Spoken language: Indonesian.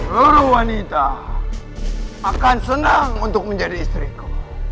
seluruh wanita akan senang untuk menjadi istriku